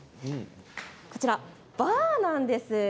こちらはバーなんです。